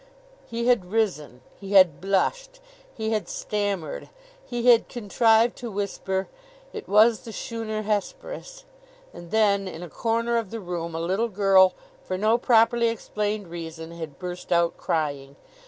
He had risen. He had blushed. He had stammered. He had contrived to whisper: "It was the Schooner Hesperus." And then, in a corner of the room, a little girl, for no properly explained reason, had burst out crying.